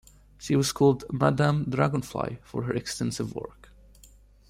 She was called "Madame Dragonfly" for her extensive work.